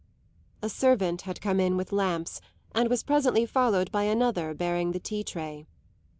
A servant had come in with lamps and was presently followed by another bearing the tea tray.